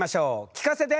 聞かせて！